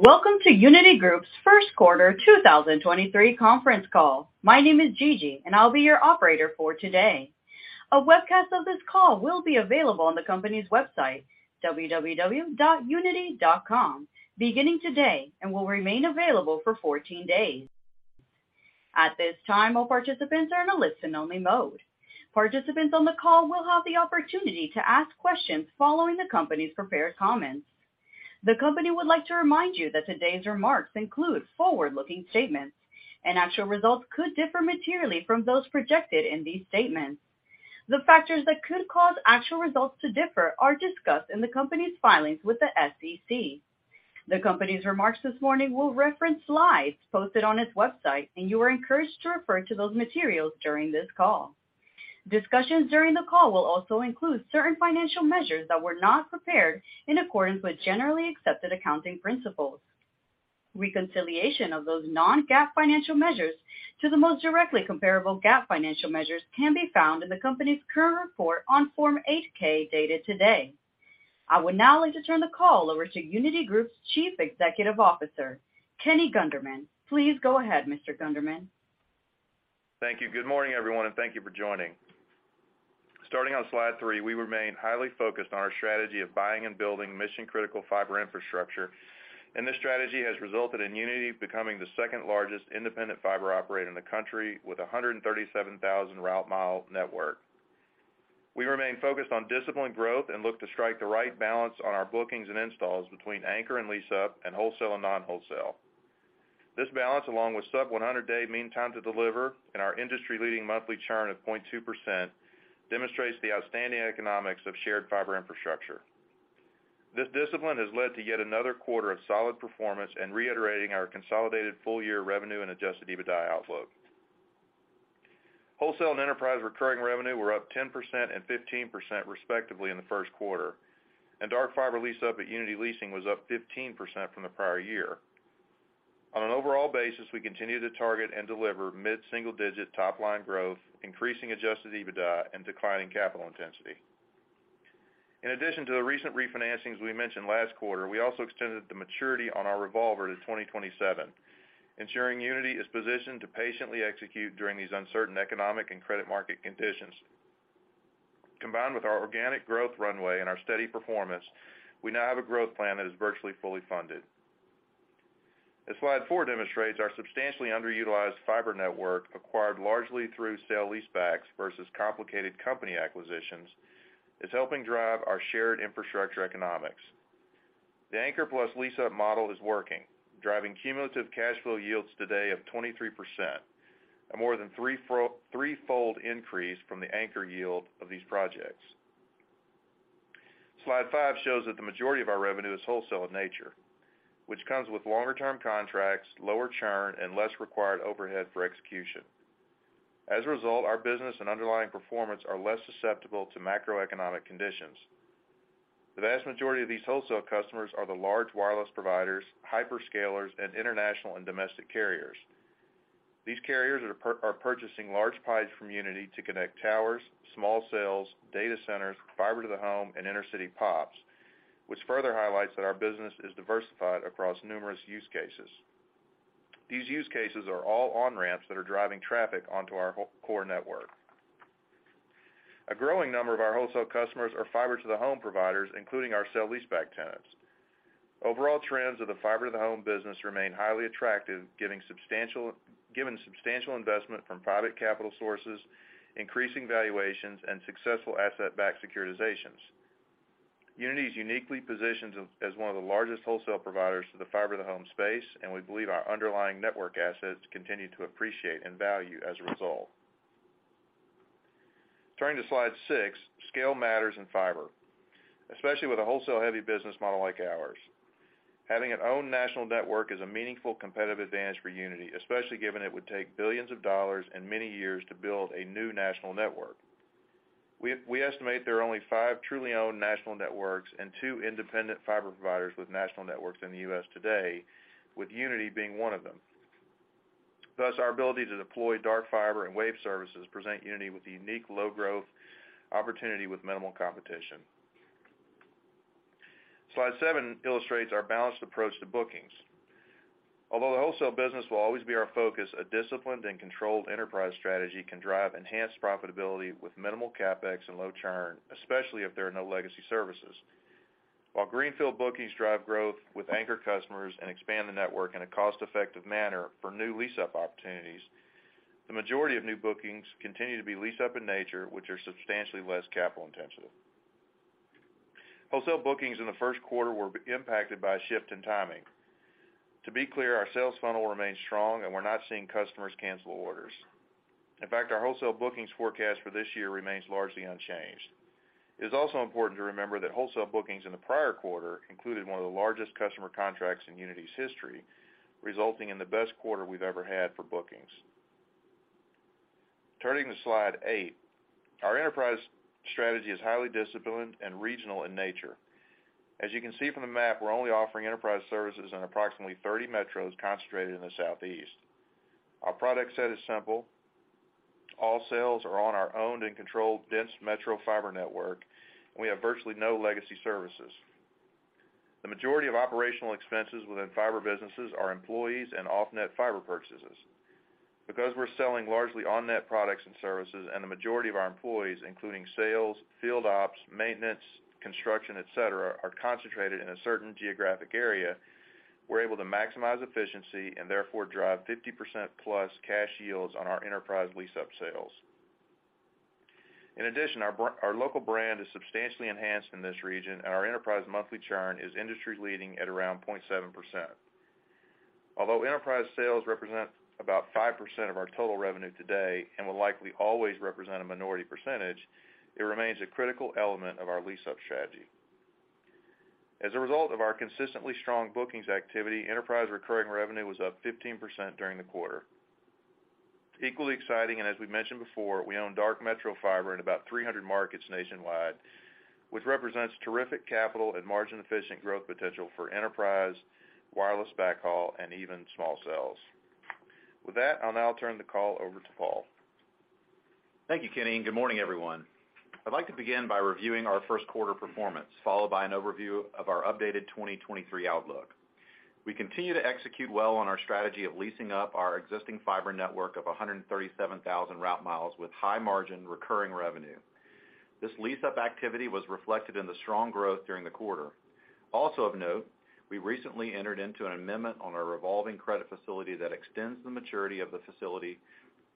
Welcome to Uniti Group's first quarter 2023 conference call. My name is Gigi, and I'll be your operator for today. A webcast of this call will be available on the company's website, www.uniti.com, beginning today and will remain available for 14 days. At this time, all participants are in a listen-only mode. Participants on the call will have the opportunity to ask questions following the company's prepared comments. The company would like to remind you that today's remarks include forward-looking statements, and actual results could differ materially from those projected in these statements. The factors that could cause actual results to differ are discussed in the company's filings with the SEC. The company's remarks this morning will reference slides posted on its website, and you are encouraged to refer to those materials during this call. Discussions during the call will also include certain financial measures that were not prepared in accordance with generally accepted accounting principles. Reconciliation of those non-GAAP financial measures to the most directly comparable GAAP financial measures can be found in the company's current report on Form 8-K, dated today. I would now like to turn the call over to Uniti Group's Chief Executive Officer, Kenny Gunderman. Please go ahead, Mr. Gunderman. Thank you. Good morning, everyone, and thank you for joining. Starting on slide 3, we remain highly focused on our strategy of buying and building mission-critical fiber infrastructure. This strategy has resulted in Uniti becoming the second-largest independent fiber operator in the country with a 137,000 route mile network. We remain focused on disciplined growth. Look to strike the right balance on our bookings and installs between anchor and lease-up and wholesale and non-wholesale. This balance, along with sub 100-day mean time to deliver and our industry-leading monthly churn of 0.2%, demonstrates the outstanding economics of shared fiber infrastructure. This discipline has led to yet another quarter of solid performance. Reiterating our consolidated full-year revenue and adjusted EBITDA outlook. Wholesale and enterprise recurring revenue were up 10% and 15% respectively in the first quarter, and dark fiber lease-up at Uniti Leasing was up 15% from the prior year. On an overall basis, we continue to target and deliver mid-single-digit top-line growth, increasing adjusted EBITDA, and declining capital intensity. In addition to the recent refinancings we mentioned last quarter, we also extended the maturity on our revolver to 2027, ensuring Uniti is positioned to patiently execute during these uncertain economic and credit market conditions. Combined with our organic growth runway and our steady performance, we now have a growth plan that is virtually fully funded. As slide 4 demonstrates, our substantially underutilized fiber network, acquired largely through sale-leasebacks versus complicated company acquisitions, is helping drive our shared infrastructure economics. The anchor plus lease-up model is working, driving cumulative cash flow yields today of 23%, a more than threefold increase from the anchor yield of these projects. Slide 5 shows that the majority of our revenue is wholesale in nature, which comes with longer-term contracts, lower churn, and less required overhead for execution. As a result, our business and underlying performance are less susceptible to macroeconomic conditions. The vast majority of these wholesale customers are the large wireless providers, hyperscalers, and international and domestic carriers. These carriers are purchasing large pies from Uniti to connect towers, small cells, data centers, Fiber-to-the-home, and inner-city POPs, which further highlights that our business is diversified across numerous use cases. These use cases are all on-ramps that are driving traffic onto our core network. A growing number of our wholesale customers are Fiber-to-the-home providers, including our sale-leaseback tenants. Overall trends of the Fiber-to-the-home business remain highly attractive, given substantial investment from private capital sources, increasing valuations, and successful asset-backed securitizations. Uniti is uniquely positioned as one of the largest wholesale providers to the Fiber-to-the-home space, and we believe our underlying network assets continue to appreciate in value as a result. Turning to slide 6, scale matters in fiber, especially with a wholesale-heavy business model like ours. Having an owned national network is a meaningful competitive advantage for Uniti, especially given it would take billions of dollars and many years to build a new national network. We estimate there are only five truly owned national networks and two independent fiber providers with national networks in the U.S. today, with Uniti being one of them. Our ability to deploy dark fiber and wave services present Uniti with a unique low growth opportunity with minimal competition. Slide 7 illustrates our balanced approach to bookings. The wholesale business will always be our focus, a disciplined and controlled enterprise strategy can drive enhanced profitability with minimal CapEx and low churn, especially if there are no legacy services. Greenfield bookings drive growth with anchor customers and expand the network in a cost-effective manner for new lease-up opportunities, the majority of new bookings continue to be lease up in nature, which are substantially less capital-intensive. Wholesale bookings in the first quarter were impacted by a shift in timing. To be clear, our sales funnel remains strong, and we're not seeing customers cancel orders. In fact, our wholesale bookings forecast for this year remains largely unchanged. It is also important to remember that wholesale bookings in the prior quarter included one of the largest customer contracts in Uniti's history, resulting in the best quarter we've ever had for bookings. Turning to slide 8. Our enterprise strategy is highly disciplined and regional in nature. As you can see from the map, we're only offering enterprise services in approximately 30 metros concentrated in the Southeast. Our product set is simple. All sales are on our owned and controlled dense metro fiber network. We have virtually no legacy services. The majority of operational expenses within fiber businesses are employees and off-net fiber purchases. Because we're selling largely on-net products and services, and the majority of our employees, including sales, field ops, maintenance, construction, et cetera, are concentrated in a certain geographic area, we're able to maximize efficiency and therefore drive 50% plus cash yields on our enterprise lease-up sales. Our local brand is substantially enhanced in this region, and our enterprise monthly churn is industry-leading at around 0.7%. Although enterprise sales represent about 5% of our total revenue today and will likely always represent a minority percentage, it remains a critical element of our lease-up strategy. As a result of our consistently strong bookings activity, enterprise recurring revenue was up 15% during the quarter. Equally exciting, and as we mentioned before, we own dark metro fiber in about 300 markets nationwide, which represents terrific capital and margin-efficient growth potential for enterprise, wireless backhaul, and even small cells. With that, I'll now turn the call over to Paul. Thank you, Kenny, and good morning, everyone. I'd like to begin by reviewing our first quarter performance, followed by an overview of our updated 2023 outlook. We continue to execute well on our strategy of leasing up our existing fiber network of 137,000 route miles with high-margin recurring revenue. This lease-up activity was reflected in the strong growth during the quarter. Also of note, we recently entered into an amendment on our revolving credit facility that extends the maturity of the facility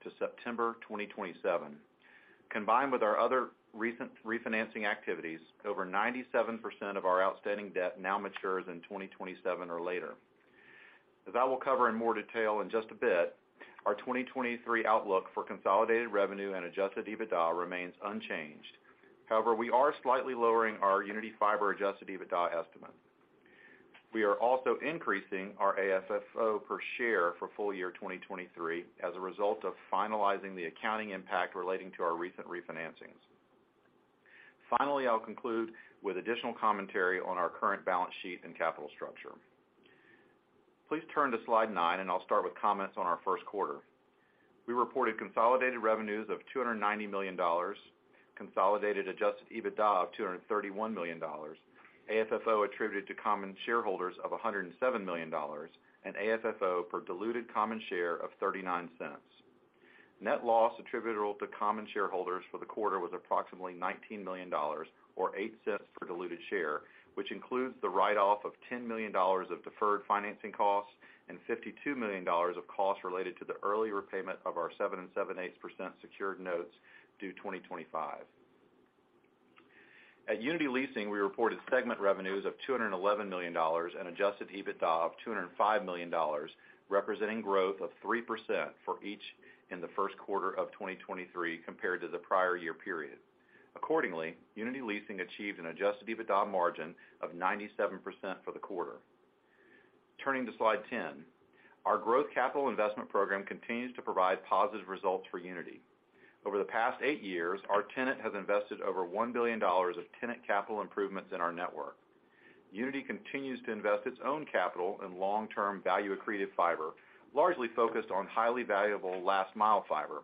to September 2027. Combined with our other recent refinancing activities, over 97% of our outstanding debt now matures in 2027 or later. As I will cover in more detail in just a bit, our 2023 outlook for consolidated revenue and adjusted EBITDA remains unchanged. However, we are slightly lowering our Uniti Fiber adjusted EBITDA estimate. We are also increasing our AFFO per share for full year 2023 as a result of finalizing the accounting impact relating to our recent refinancings. Finally, I'll conclude with additional commentary on our current balance sheet and capital structure. Please turn to slide 9, and I'll start with comments on our first quarter. We reported consolidated revenues of $290 million, consolidated adjusted EBITDA of $231 million, AFFO attributed to common shareholders of $107 million, and AFFO per diluted common share of $0.39. Net loss attributable to common shareholders for the quarter was approximately $19 million, or $0.08 per diluted share, which includes the write-off of $10 million of deferred financing costs and $52 million of costs related to the early repayment of our 7 and 7/8% secured notes due 2025. At Uniti Leasing, we reported segment revenues of $211 million and adjusted EBITDA of $205 million, representing growth of 3% for each in the first quarter of 2023 compared to the prior year period. Uniti Leasing achieved an adjusted EBITDA margin of 97% for the quarter. Turning to slide 10. Our growth capital investment program continues to provide positive results for Uniti. Over the past eight years, our tenant has invested over $1 billion of tenant capital improvements in our network. Uniti continues to invest its own capital in long-term value accreted fiber, largely focused on highly valuable last-mile fiber.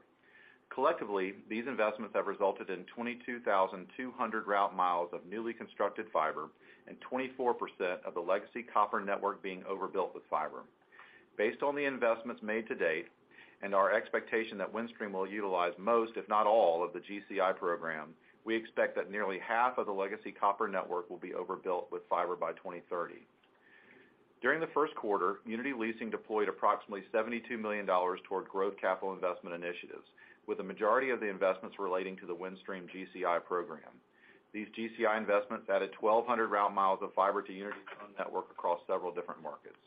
Collectively, these investments have resulted in 22,200 route miles of newly constructed fiber and 24% of the legacy copper network being overbuilt with fiber. Based on the investments made to date and our expectation that Windstream will utilize most, if not all, of the GCI program, we expect that nearly half of the legacy copper network will be overbuilt with fiber by 2030. During the first quarter, Uniti Leasing deployed approximately $72 million toward growth capital investment initiatives, with the majority of the investments relating to the Windstream GCI program. These GCI investments added 1,200 route miles of fiber to Uniti's own network across several different markets.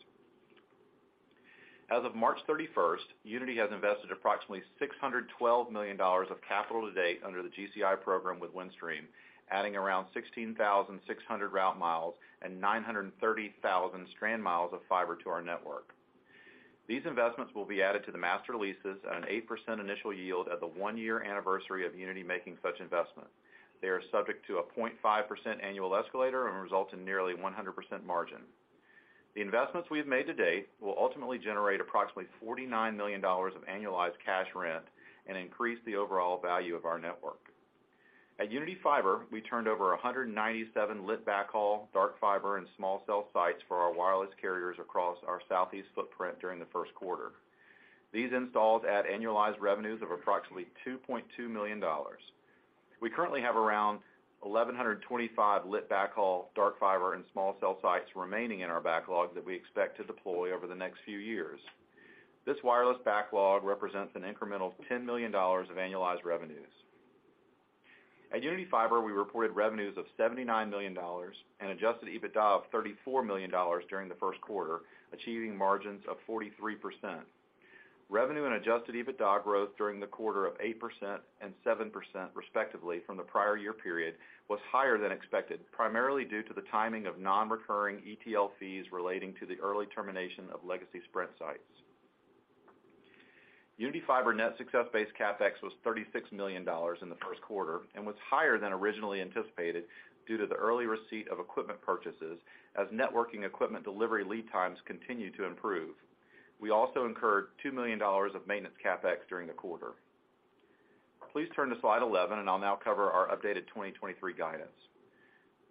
As of March 31st, Uniti has invested approximately $612 million of capital to date under the GCI program with Windstream, adding around 16,600 route miles and 930,000 strand miles of fiber to our network. These investments will be added to the master leases at an 8% initial yield at the 1-year anniversary of Uniti making such investment. They are subject to a 0.5% annual escalator and result in nearly 100% margin. The investments we have made to date will ultimately generate approximately $49 million of annualized cash rent and increase the overall value of our network. At Uniti Fiber, we turned over 197 lit backhaul, dark fiber, and small cell sites for our wireless carriers across our Southeast footprint during the first quarter. These installs add annualized revenues of approximately $2.2 million. We currently have around 1,125 lit backhaul, dark fiber, and small cell sites remaining in our backlog that we expect to deploy over the next few years. This wireless backlog represents an incremental $10 million of annualized revenues. At Uniti Fiber, we reported revenues of $79 million and adjusted EBITDA of $34 million during the first quarter, achieving margins of 43%. Revenue and adjusted EBITDA growth during the quarter of 8% and 7% respectively from the prior year period was higher than expected, primarily due to the timing of non-recurring ETL fees relating to the early termination of legacy Sprint sites. Uniti Fiber net success-based CapEx was $36 million in the first quarter and was higher than originally anticipated due to the early receipt of equipment purchases as networking equipment delivery lead times continue to improve. We also incurred $2 million of maintenance CapEx during the quarter. Please turn to slide 11, I'll now cover our updated 2023 guidance.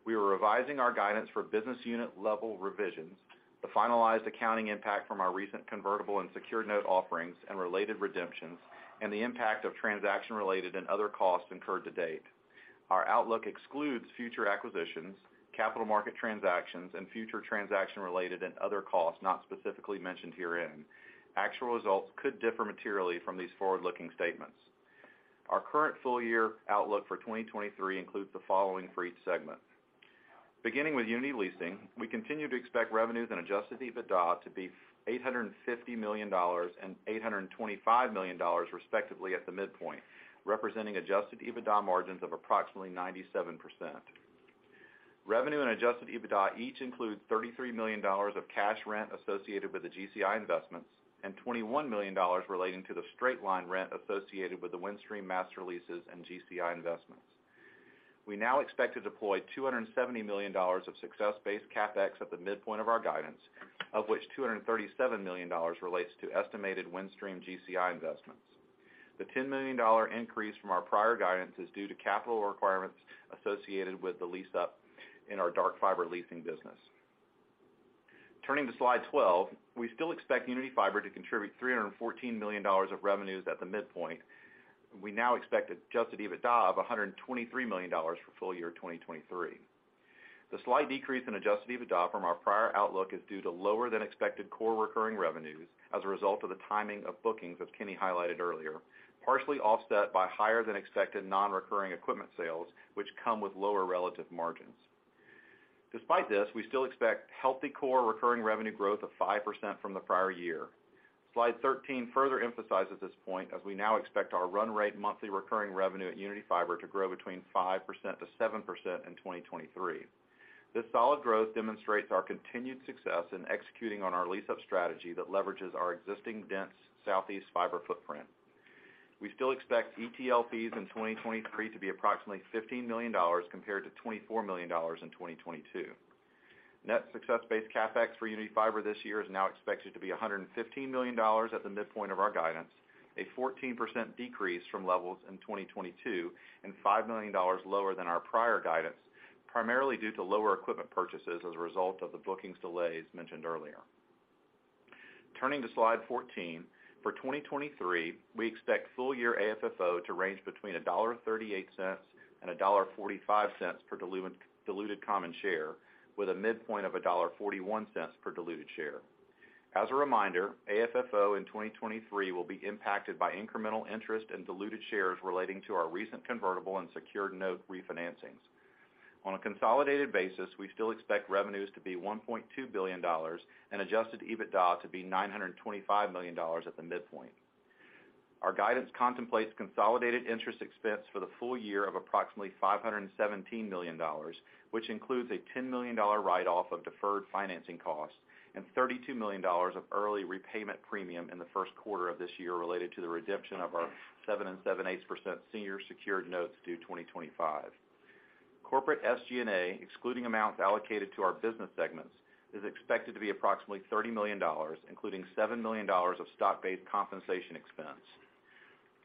We are revising our guidance for business unit level revisions, the finalized accounting impact from our recent convertible and secured note offerings and related redemptions, and the impact of transaction-related and other costs incurred to date. Our outlook excludes future acquisitions, capital market transactions, and future transaction-related and other costs not specifically mentioned herein. Actual results could differ materially from these forward-looking statements. Our current full year outlook for 2023 includes the following for each segment. Beginning with Uniti Leasing, we continue to expect revenues and adjusted EBITDA to be $850 million and $825 million respectively at the midpoint, representing adjusted EBITDA margins of approximately 97%. Revenue and adjusted EBITDA each include $33 million of cash rent associated with the GCI investments and $21 million relating to the straight-line rent associated with the Windstream master leases and GCI investments. We now expect to deploy $270 million of success-based CapEx at the midpoint of our guidance, of which $237 million relates to estimated Windstream GCI investments. The $10 million increase from our prior guidance is due to capital requirements associated with the lease-up in our dark fiber leasing business. Turning to slide 12, we still expect Uniti Fiber to contribute $314 million of revenues at the midpoint. We now expect adjusted EBITDA of $123 million for full year 2023. The slight decrease in adjusted EBITDA from our prior outlook is due to lower than expected core recurring revenues as a result of the timing of bookings, as Kenny highlighted earlier, partially offset by higher than expected non-recurring equipment sales, which come with lower relative margins. Despite this, we still expect healthy core recurring revenue growth of 5% from the prior year. Slide 13 further emphasizes this point as we now expect our run rate monthly recurring revenue at Uniti Fiber to grow between 5%-7% in 2023. This solid growth demonstrates our continued success in executing on our lease-up strategy that leverages our existing dense Southeast fiber footprint. We still expect ETL fees in 2023 to be approximately $15 million compared to $24 million in 2022. Net success-based CapEx for Uniti Fiber this year is now expected to be $115 million at the midpoint of our guidance, a 14% decrease from levels in 2022 and $5 million lower than our prior guidance, primarily due to lower equipment purchases as a result of the bookings delays mentioned earlier. Turning to slide 14, for 2023, we expect full year AFFO to range between $1.38 and $1.45 cents per diluted common share with a midpoint of $1.41 per diluted share. As a reminder, AFFO in 2023 will be impacted by incremental interest in diluted shares relating to our recent convertible and secured note refinancings. On a consolidated basis, we still expect revenues to be $1.2 billion and adjusted EBITDA to be $925 million at the midpoint. Our guidance contemplates consolidated interest expense for the full year of approximately $517 million, which includes a $10 million write-off of deferred financing costs and $32 million of early repayment premium in the first quarter of this year related to the redemption of our seven and seven eight % senior secured notes due 2025. Corporate SG&A, excluding amounts allocated to our business segments, is expected to be approximately $30 million, including $7 million of stock-based compensation expense.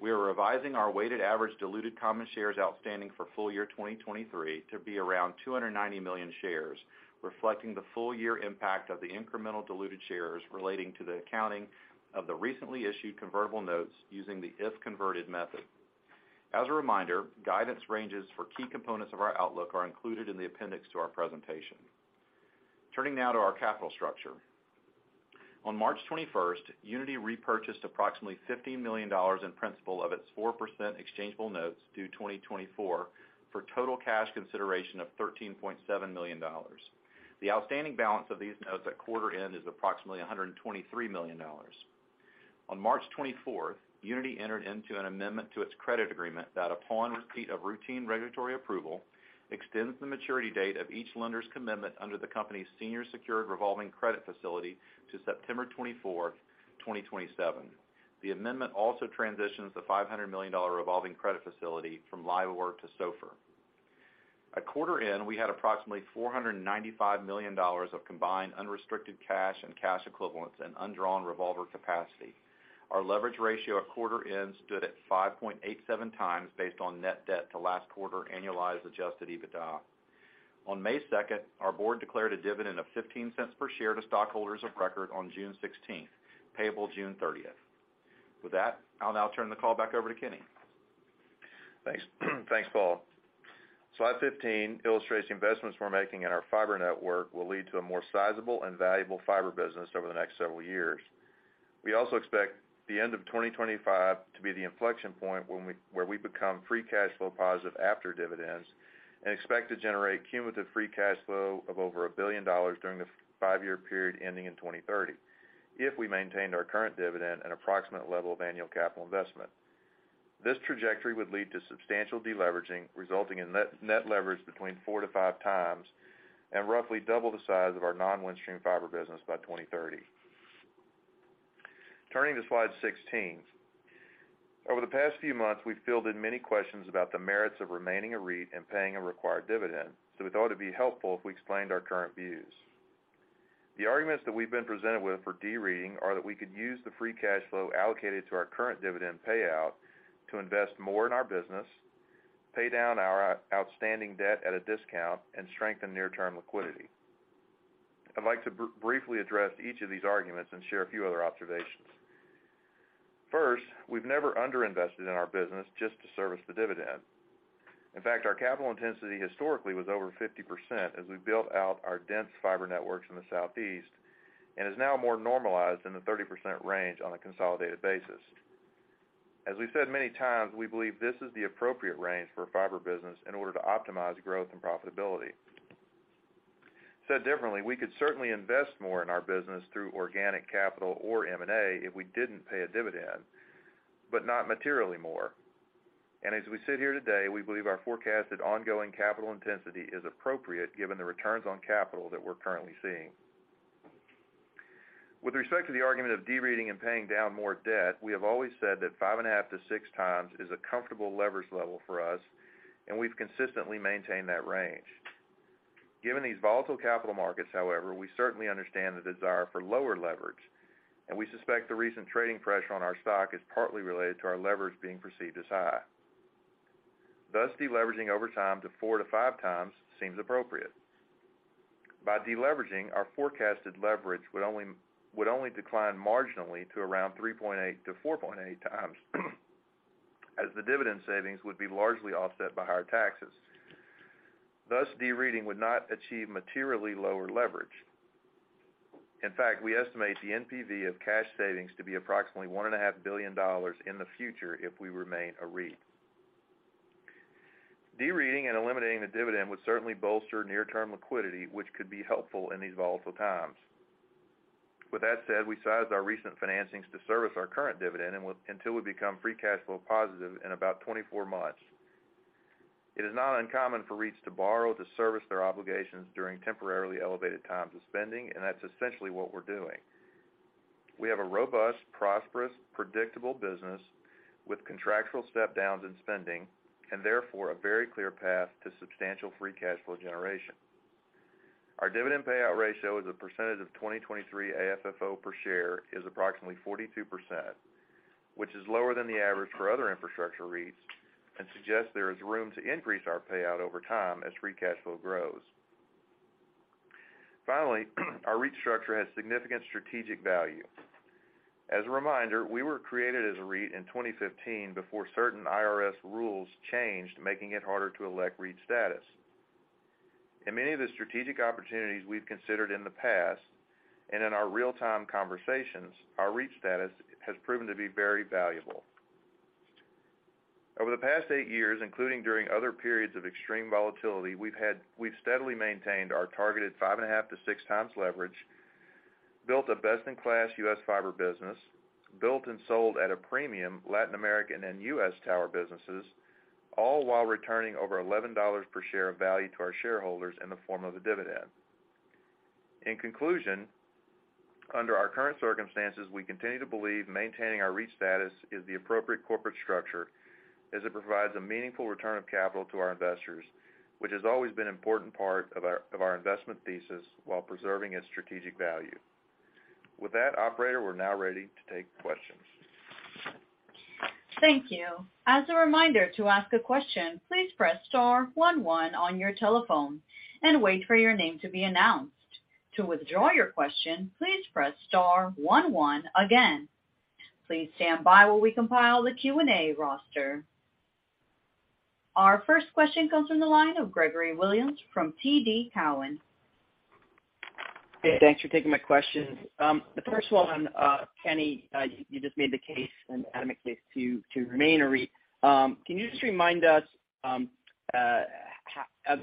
We are revising our weighted average diluted common shares outstanding for full year 2023 to be around 290 million shares, reflecting the full year impact of the incremental diluted shares relating to the accounting of the recently issued convertible notes using the if-converted method. As a reminder, guidance ranges for key components of our outlook are included in the appendix to our presentation. Turning now to our capital structure. On March 21st, Uniti repurchased approximately $15 million in principal of its 4% exchangeable notes due 2024 for total cash consideration of $13.7 million. The outstanding balance of these notes at quarter end is approximately $123 million. On March 24th, Uniti entered into an amendment to its credit agreement that, upon receipt of routine regulatory approval, extends the maturity date of each lender's commitment under the company's senior secured revolving credit facility to September 24th, 2027. The amendment also transitions the $500 million revolving credit facility from LIBOR to SOFR. At quarter end, we had approximately $495 million of combined unrestricted cash and cash equivalents and undrawn revolver capacity. Our leverage ratio at quarter end stood at 5.87 times based on net debt to last quarter annualized adjusted EBITDA. On May 2nd, our board declared a dividend of $0.15 per share to stockholders of record on June 16th, payable June 30th. With that, I'll now turn the call back over to Kenny. Thanks. Thanks, Paul. Slide 15 illustrates the investments we're making in our fiber network will lead to a more sizable and valuable fiber business over the next several years. We also expect the end of 2025 to be the inflection point where we become free cash flow positive after dividends and expect to generate cumulative free cash flow of over $1 billion during the five-year period ending in 2030 if we maintained our current dividend and approximate level of annual capital investment. This trajectory would lead to substantial deleveraging, resulting in net leverage between four to five times and roughly double the size of our non-Windstream fiber business by 2030. Turning to slide 16. Over the past few months, we've fielded many questions about the merits of remaining a REIT and paying a required dividend, we thought it'd be helpful if we explained our current views. The arguments that we've been presented with for de-REITing are that we could use the free cash flow allocated to our current dividend payout to invest more in our business, pay down our outstanding debt at a discount, and strengthen near-term liquidity. I'd like to briefly address each of these arguments and share a few other observations. First, we've never under-invested in our business just to service the dividend. Our capital intensity historically was over 50% as we built out our dense fiber networks in the Southeast, and is now more normalized in the 30% range on a consolidated basis. As we said many times, we believe this is the appropriate range for a fiber business in order to optimize growth and profitability. Said differently, we could certainly invest more in our business through organic capital or M&A if we didn't pay a dividend, but not materially more. As we sit here today, we believe our forecasted ongoing capital intensity is appropriate given the returns on capital that we're currently seeing. With respect to the argument of de-REITing and paying down more debt, we have always said that 5.5x-6x is a comfortable leverage level for us, and we've consistently maintained that range. Given these volatile capital markets, however, we certainly understand the desire for lower leverage, we suspect the recent trading pressure on our stock is partly related to our leverage being perceived as high. De-leveraging over time to four-five times seems appropriate. By de-leveraging, our forecasted leverage would only decline marginally to around 3.8 to 4.8 times, as the dividend savings would be largely offset by higher taxes. De-REITing would not achieve materially lower leverage. In fact, we estimate the NPV of cash savings to be approximately one and a half billion dollars in the future if we remain a REIT. De-REITing and eliminating the dividend would certainly bolster near-term liquidity, which could be helpful in these volatile times. With that said, we sized our recent financings to service our current dividend, until we become free cash flow positive in about 24 months. It is not uncommon for REITs to borrow to service their obligations during temporarily elevated times of spending. That's essentially what we're doing. We have a robust, prosperous, predictable business with contractual step downs in spending, therefore, a very clear path to substantial free cash flow generation. Our dividend payout ratio as a percentage of 2023 AFFO per share is approximately 42%, which is lower than the average for other infrastructure REITs and suggests there is room to increase our payout over time as free cash flow grows. Finally, our REIT structure has significant strategic value. As a reminder, we were created as a REIT in 2015 before certain IRS rules changed, making it harder to elect REIT status. In many of the strategic opportunities we've considered in the past, and in our real-time conversations, our REIT status has proven to be very valuable. Over the past eight years, including during other periods of extreme volatility, we've steadily maintained our targeted 5.5-6 times leverage, built a best-in-class U.S. fiber business, built and sold at a premium Latin American and U.S. tower businesses, all while returning over $11 per share of value to our shareholders in the form of a dividend. In conclusion, under our current circumstances, we continue to believe maintaining our REIT status is the appropriate corporate structure as it provides a meaningful return of capital to our investors, which has always been an important part of our investment thesis while preserving its strategic value. With that, operator, we're now ready to take questions. Thank you. As a reminder to ask a question, please press star 11 on your telephone and wait for your name to be announced. To withdraw your question, please press star 11 again. Please stand by while we compile the Q&A roster. Our first question comes from the line of Gregory Williams from TD Cowen. Hey, thanks for taking my question. The first one, Kenny, you just made the case, an adamant case to remain a REIT. Can you just remind us of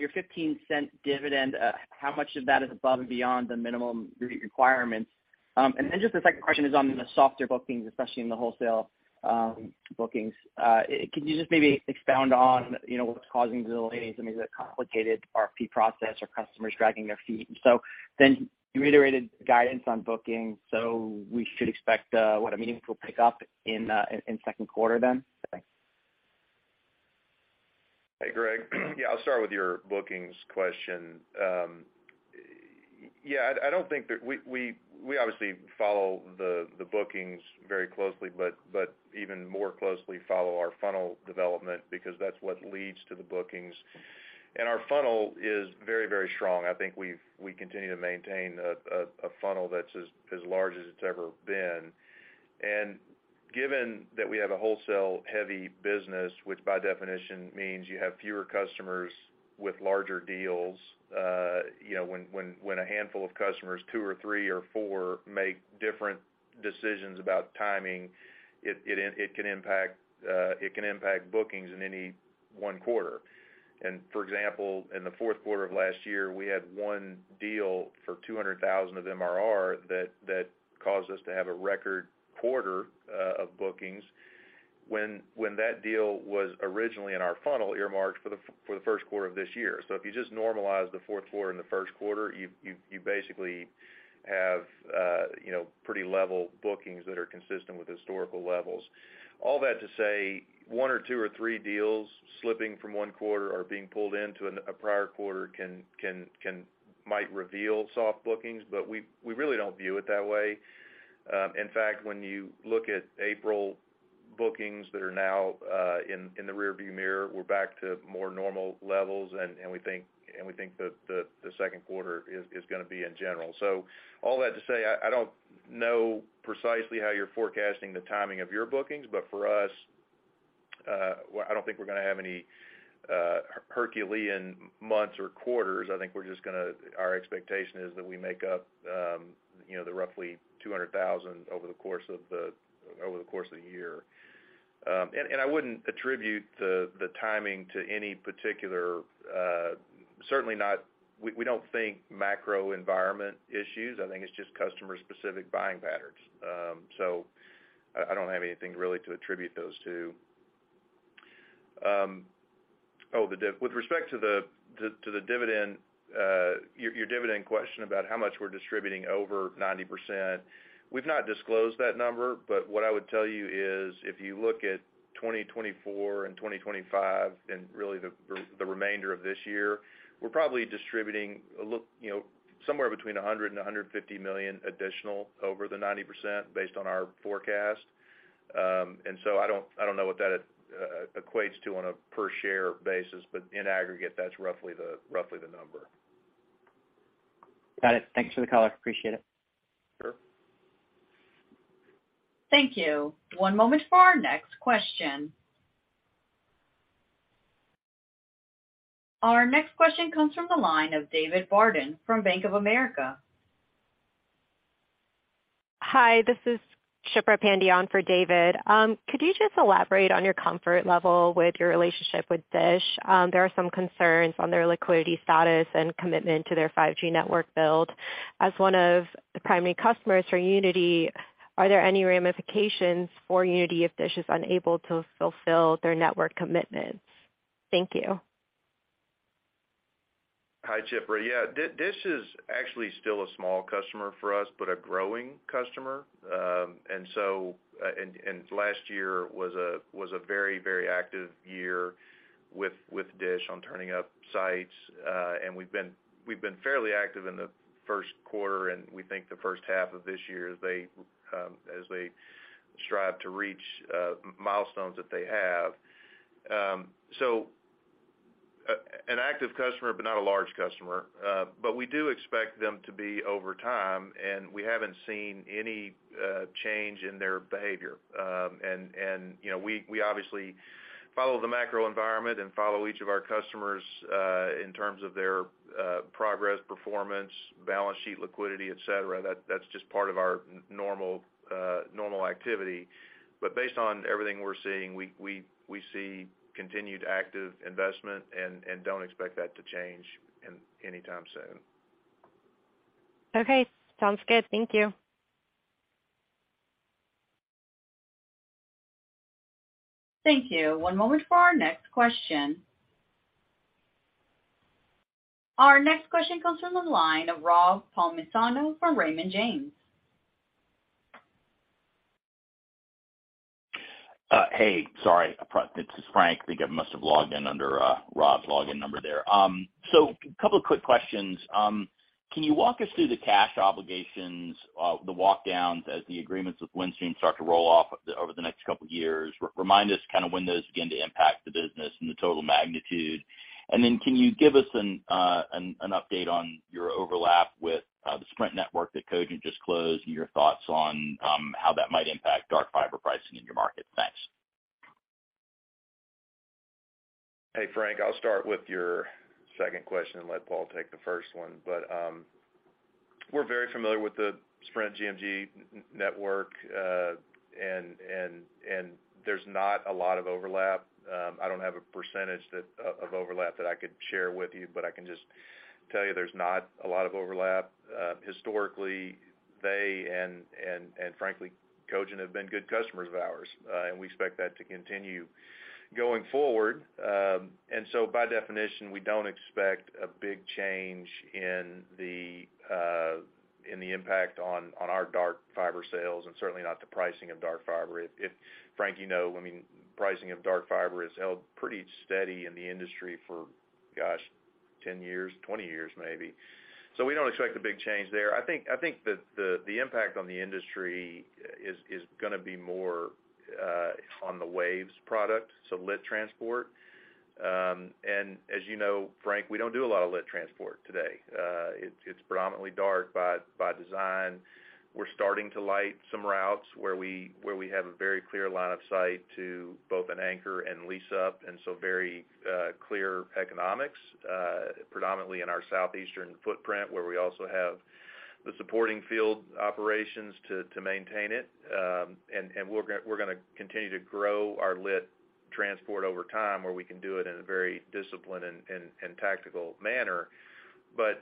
your $0.15 dividend, how much of that is above and beyond the minimum REIT requirements? Then just the second question is on the softer bookings, especially in the wholesale bookings. Can you just maybe expound on, you know, what's causing the delays? I mean, is it a complicated RFP process or customers dragging their feet? Then you reiterated guidance on bookings, so we should expect what, a meaningful pickup in second quarter then? Thanks. Hey, Greg. Yeah, I'll start with your bookings question. Yeah, I don't think that we obviously follow the bookings very closely, but even more closely follow our funnel development because that's what leads to the bookings. Our funnel is very, very strong. I think we continue to maintain a funnel that's as large as it's ever been. Given that we have a wholesale heavy business, which by definition means you have fewer customers with larger deals, you know, when a handful of customers, two or three or four, make different decisions about timing, it can impact bookings in any one quarter. For example, in the fourth quarter of last year, we had one deal for $200,000 of MRR that caused us to have a record quarter of bookings when that deal was originally in our funnel earmarked for the first quarter of this year. If you just normalize the fourth quarter and the first quarter, you basically have You know, pretty level bookings that are consistent with historical levels. All that to say one or two or three deals slipping from one quarter or being pulled into a prior quarter can might reveal soft bookings, but we really don't view it that way. In fact, when you look at April bookings that are now in the rear view mirror, we're back to more normal levels, and we think the second quarter is gonna be in general. All that to say, I don't know precisely how you're forecasting the timing of your bookings, but for us, I don't think we're gonna have any herculean months or quarters. I think we're just gonna. Our expectation is that we make up, you know, the roughly $200,000 over the course of the year. And I wouldn't attribute the timing to any particular, we don't think macro environment issues. I think it's just customer-specific buying patterns. I don't have anything really to attribute those to. With respect to the dividend, your dividend question about how much we're distributing over 90%, we've not disclosed that number, but what I would tell you is if you look at 2024 and 2025 and really the remainder of this year, we're probably distributing, you know, somewhere between $100 million-$150 million additional over the 90% based on our forecast. I don't, I don't know what that equates to on a per share basis, but in aggregate, that's roughly the number. Got it. Thanks for the color. Appreciate it. Sure. Thank you. One moment for our next question. Our next question comes from the line of David Barden from Bank of America. Hi, this is Shipra Pandey for David. Could you just elaborate on your comfort level with your relationship with Dish? There are some concerns on their liquidity status and commitment to their 5G network build. As one of the primary customers for Uniti, are there any ramifications for Uniti if Dish is unable to fulfill their network commitments? Thank you. Hi, Shipra. Yeah, Dish is actually still a small customer for us, but a growing customer. Last year was a very active year with Dish on turning up sites. We've been fairly active in the first quarter and we think the first half of this year as they strive to reach milestones that they have. An active customer but not a large customer. We do expect them to be over time, and we haven't seen any change in their behavior. You know, we obviously follow the macro environment and follow each of our customers in terms of their progress, performance, balance sheet liquidity, et cetera. That's just part of our normal activity. Based on everything we're seeing, we see continued active investment and don't expect that to change in anytime soon. Okay. Sounds good. Thank you. Thank you. One moment for our next question. Our next question comes from the line of Robert Palmisano from Raymond James. Hey, sorry, this is Frank. I think I must have logged in under Rob's login number there. A couple of quick questions. Can you walk us through the cash obligations, the walk downs as the agreements with Windstream start to roll off the, over the next couple of years? Remind us kind of when those begin to impact the business and the total magnitude. Can you give us an update on your overlap with the Sprint network that Cogent just closed and your thoughts on how that might impact dark fiber pricing in your market? Thanks. Hey, Frank, I'll start with your second question and let Paul take the first one. We're very familiar with the Sprint GMG network, and there's not a lot of overlap. I don't have a percentage that of overlap that I could share with you, but I can just tell you there's not a lot of overlap. Historically, they and frankly, Cogent have been good customers of ours. We expect that to continue going forward. By definition, we don't expect a big change in the impact on our dark fiber sales and certainly not the pricing of dark fiber. Frank, you know, I mean, pricing of dark fiber has held pretty steady in the industry for, gosh, 10 years, 20 years, maybe. We don't expect a big change there. I think that the impact on the industry is gonna be more on the Waves product, so lit transport. As you know, Frank, we don't do a lot of lit transport today. It's predominantly dark by design. We're starting to light some routes where we have a very clear line of sight to both an anchor and lease up, very clear economics predominantly in our southeastern footprint, where we also have the supporting field operations to maintain it. We're gonna continue to grow our lit transport over time, where we can do it in a very disciplined and tactical manner.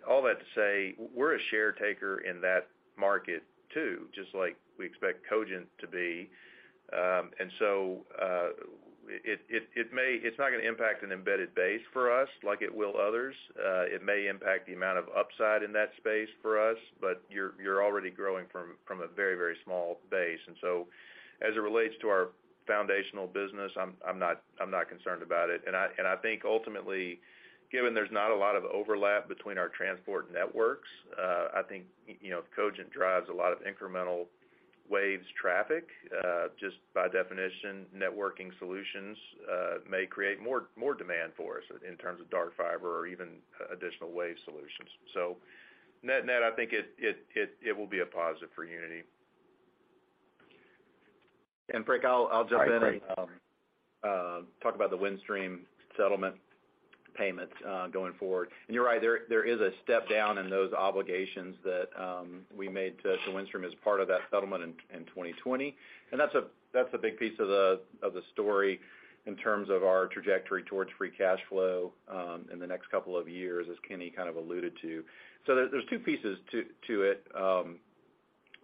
All that to say, we're a share taker in that market too, just like we expect Cogent to be. It may, it's not gonna impact an embedded base for us like it will others. It may impact the amount of upside in that space for us, but you're already growing from a very, very small base. As it relates to our foundational business, I'm not concerned about it. I think ultimately, given there's not a lot of overlap between our transport networks, I think, you know, if Cogent drives a lot of incremental waves traffic, just by definition, networking solutions, may create more demand for us in terms of dark fiber or even additional wave solutions. Net-net, I think it will be a positive for Uniti. Frank, I'll jump in and talk about the Windstream settlement payments going forward. You're right, there is a step down in those obligations that we made to Windstream as part of that settlement in 2020. That's a big piece of the story in terms of our trajectory towards free cash flow in the next couple of years, as Kenny kind of alluded to. There's two pieces to it.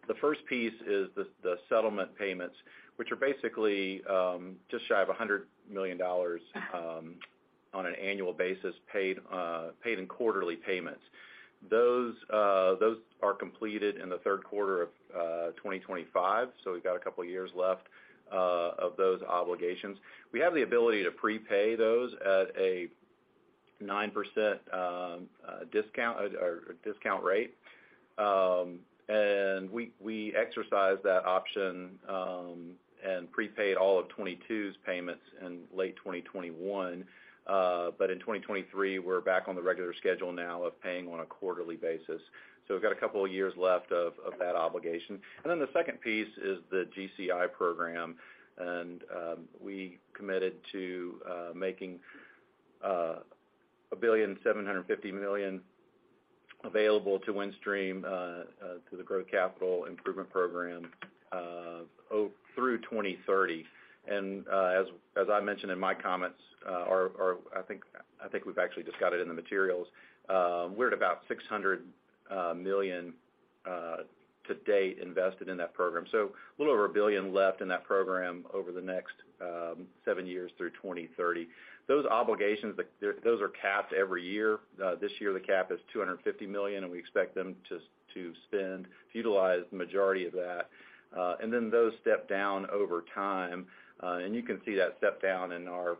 The first piece is the settlement payments, which are basically just shy of $100 million on an annual basis paid in quarterly payments. Those are completed in the third quarter of 2025, so we've got a couple of years left of those obligations. We have the ability to prepay those at a 9% discount or discount rate. We exercise that option and prepaid all of 2022's payments in late 2021. In 2023, we're back on the regular schedule now of paying on a quarterly basis. We've got a couple of years left of that obligation. The second piece is the GCI program. We committed to making $1.75 billion available to Windstream to the growth capital improvement program through 2030. As I mentioned in my comments, or I think we've actually just got it in the materials, we're at about $600 million to date invested in that program. A little over $1 billion left in that program over the next seven years through 2030. Those obligations, those are capped every year. This year, the cap is $250 million, and we expect them to spend, to utilize the majority of that. Those step down over time. You can see that step down in our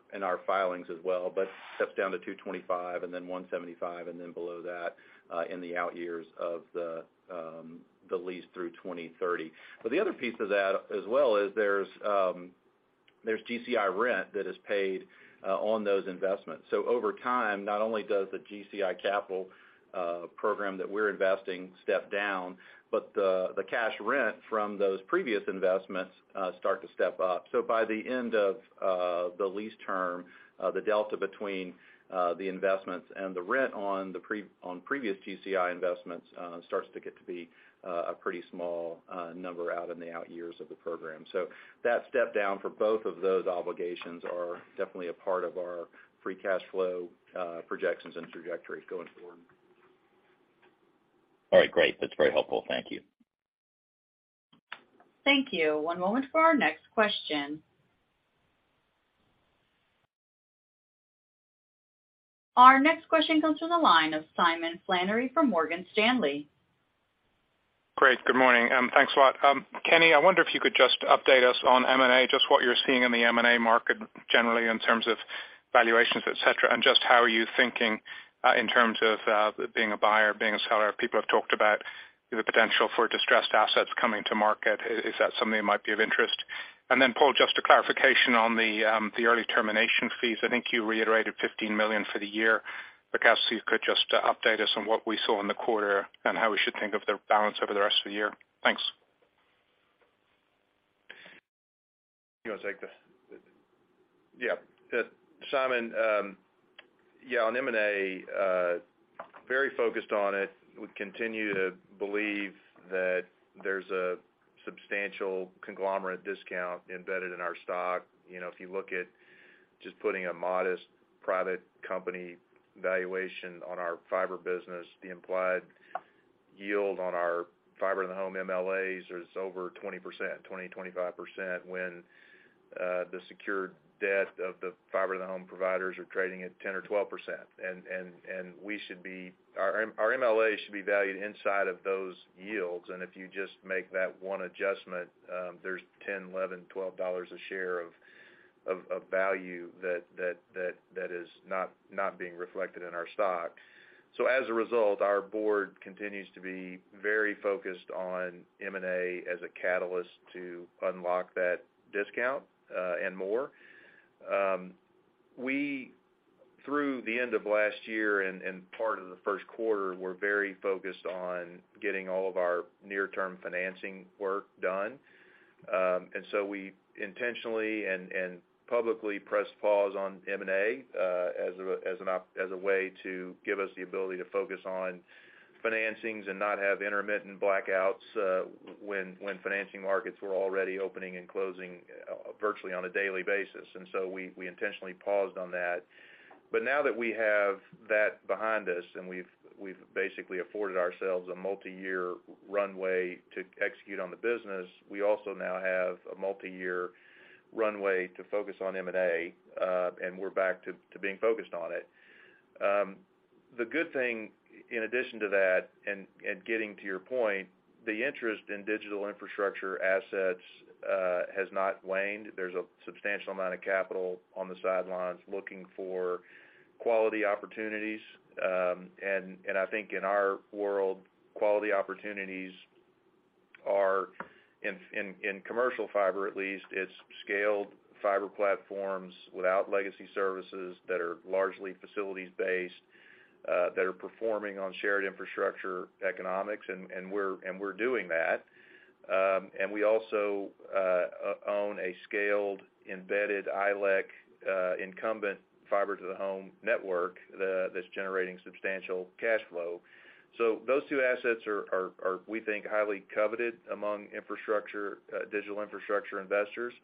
filings as well, but steps down to $225 million and then $175 million and then below that in the out years of the lease through 2030. The other piece of that as well is there's GCI rent that is paid on those investments. Over time, not only does the GCI Capital program that we're investing step down, but the cash rent from those previous investments start to step up. By the end of the lease term, the delta between the investments and the rent on previous GCI investments starts to get to be a pretty small number out in the out years of the program. That step down for both of those obligations are definitely a part of our free cash flow projections and trajectories going forward. All right. Great. That's very helpful. Thank you. Thank you. One moment for our next question. Our next question comes from the line of Simon Flannery from Morgan Stanley. Great. Good morning, and thanks a lot. Kenny, I wonder if you could just update us on M&A, just what you're seeing in the M&A market generally in terms of valuations, et cetera. Just how are you thinking in terms of being a buyer, being a seller? People have talked about the potential for distressed assets coming to market. Is that something that might be of interest? Then Paul, just a clarification on the early termination fees. I think you reiterated $15 million for the year, but if you could just update us on what we saw in the quarter and how we should think of the balance over the rest of the year? Thanks. You wanna take this? Yeah. Simon, yeah, on M&A, very focused on it. We continue to believe that there's a substantial conglomerate discount embedded in our stock. You know, if you look at just putting a modest private company valuation on our fiber business, the implied yield on our fiber in the home MLAs is over 20%, 25% when the secured debt of the fiber in the home providers are trading at 10% or 12%. Our MLA should be valued inside of those yields. If you just make that one adjustment, there's $10, $11, $12 a share of value that is not being reflected in our stock. As a result, our board continues to be very focused on M&A as a catalyst to unlock that discount and more. We, through the end of last year and part of the first quarter, were very focused on getting all of our near-term financing work done. We intentionally and publicly pressed pause on M&A as a way to give us the ability to focus on financings and not have intermittent blackouts when financing markets were already opening and closing virtually on a daily basis. We intentionally paused on that. But now that we have that behind us, and we've basically afforded ourselves a multi-year runway to execute on the business, we also now have a multi-year runway to focus on M&A, and we're back to being focused on it. The good thing, in addition to that, and getting to your point, the interest in digital infrastructure assets has not waned. There's a substantial amount of capital on the sidelines looking for quality opportunities. I think in our world, quality opportunities are, in commercial fiber at least, it's scaled fiber platforms without legacy services that are largely facilities based, that are performing on shared infrastructure economics, and we're doing that. We also own a scaled embedded ILEC incumbent Fiber-to-the-home network that's generating substantial cash flow. Those two assets are, are, we think, highly coveted among infrastructure, digital infrastructure investors.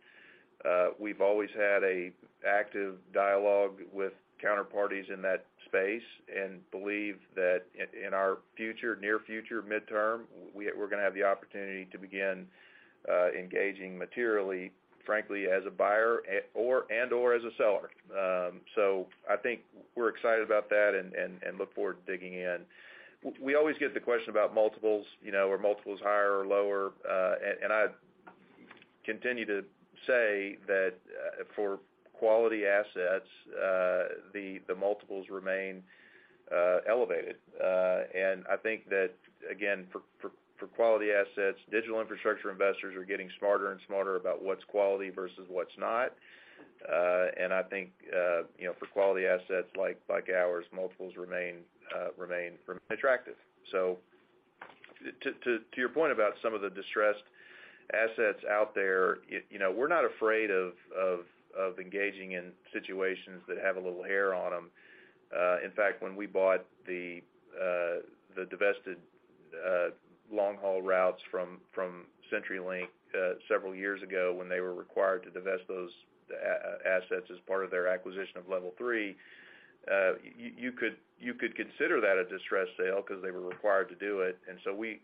We've always had a active dialogue with counterparties in that space and believe that in our future, near future, mid-term, we're gonna have the opportunity to begin engaging materially, frankly, as a buyer at, or, and/or as a seller. I think we're excited about that and, and look forward to digging in. We always get the question about multiples, you know, are multiples higher or lower? I continue to say that for quality assets, the multiples remain elevated. I think that, again, for quality assets, digital infrastructure investors are getting smarter and smarter about what's quality versus what's not. I think, you know, for quality assets like ours, multiples remain attractive. To your point about some of the distressed assets out there, you know, we're not afraid of engaging in situations that have a little hair on them. In fact, when we bought the divested long haul routes from CenturyLink several years ago when they were required to divest those assets as part of their acquisition of Level 3, you could consider that a distressed sale 'cause they were required to do it. We...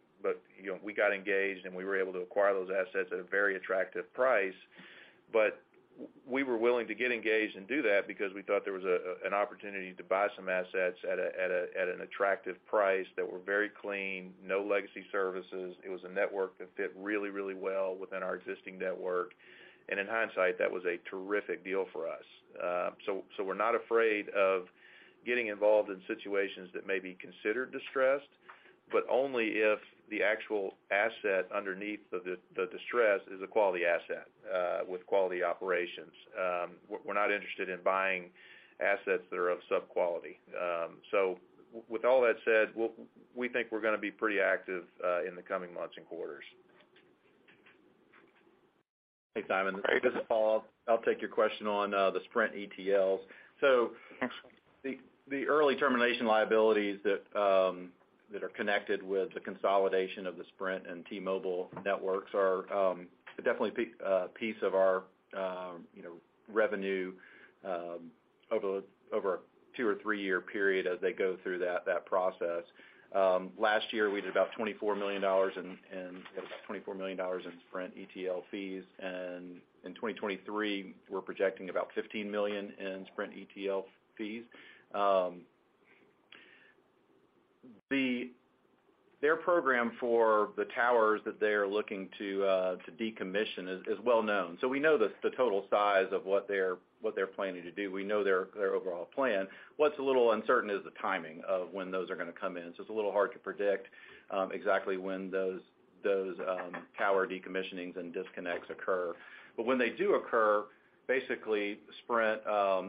You know, we got engaged, and we were able to acquire those assets at a very attractive price. We were willing to get engaged and do that because we thought there was an opportunity to buy some assets at an attractive price that were very clean, no legacy services. It was a network that fit really well within our existing network. In hindsight, that was a terrific deal for us. So we're not afraid of getting involved in situations that may be considered distressed, but only if the actual asset underneath the distress is a quality asset with quality operations. We're not interested in buying assets that are of subquality. With all that said, we think we're gonna be pretty active in the coming months and quarters. Hey, Simon, this is Paul. I'll take your question on the Sprint ETLs. The early termination liabilities that are connected with the consolidation of the Sprint and T-Mobile networks are definitely a piece of our, you know, revenue over a two or three-year period as they go through that process. Last year, we did about $24 million in about $24 million in Sprint ETL fees. In 2023, we're projecting about $15 million in Sprint ETL fees. Their program for the towers that they are looking to decommission is well known. We know the total size of what they're planning to do. We know their overall plan. What's a little uncertain is the timing of when those are gonna come in. It's a little hard to predict exactly when those tower decommissioning and disconnects occur. When they do occur, basically, Sprint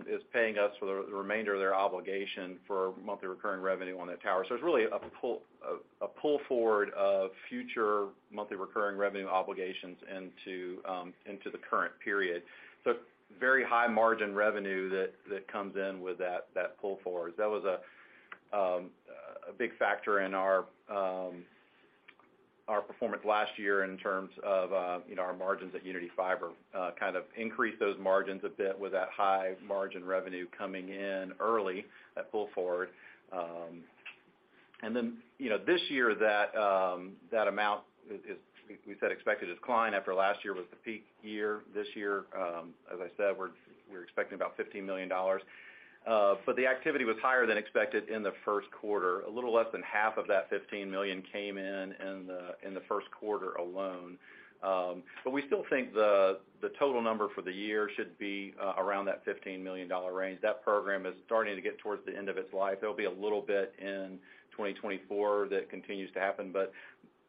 is paying us for the remainder of their obligation for monthly recurring revenue on that tower. It's really a pull forward of future monthly recurring revenue obligations into the current period. Very high margin revenue that comes in with that pull forward. That was a big factor in our performance last year in terms of, you know, our margins at Uniti Fiber kind of increased those margins a bit with that high margin revenue coming in early, that pull forward. Then, you know, this year, that amount we said expected to decline after last year was the peak year. This year, as I said, we're expecting about $15 million. The activity was higher than expected in the first quarter. A little less than half of that $15 million came in in the first quarter alone. We still think the total number for the year should be around that $15 million range. That program is starting to get towards the end of its life. There'll be a little bit in 2024 that continues to happen,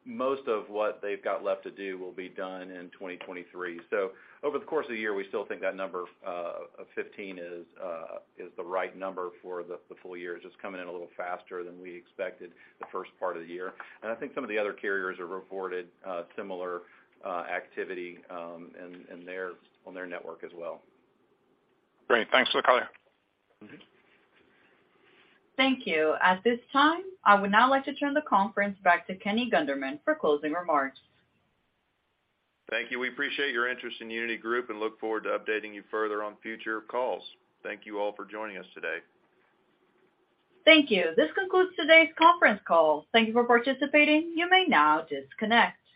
but most of what they've got left to do will be done in 2023. Over the course of the year, we still think that number of 15 is the right number for the full year. It's just coming in a little faster than we expected the first part of the year. I think some of the other carriers have reported, similar, activity, on their network as well. Great. Thanks for the color. Mm-hmm. Thank you. At this time, I would now like to turn the conference back to Kenny Gunderman for closing remarks. Thank you. We appreciate your interest in Uniti Group and look forward to updating you further on future calls. Thank you all for joining us today. Thank you. This concludes today's conference call. Thank you for participating. You may now disconnect.